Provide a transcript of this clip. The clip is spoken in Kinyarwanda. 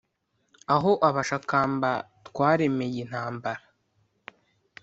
aho abashakamba twaremeye intambara.